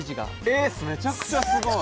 めちゃくちゃすごい！